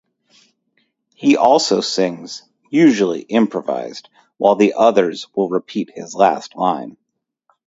He also sings, usually improvised, while the others will repeat his last line.